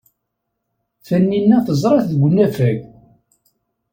Tanina teẓra-t deg unafag.